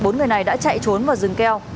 bốn người này đã chạy trốn vào rừng keo